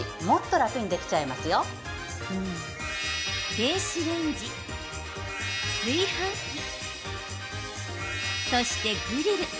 電子レンジ、炊飯器そしてグリル。